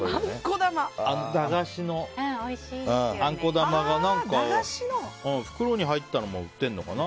駄菓子の、あんこ玉が袋に入ったのも売ってるのかな。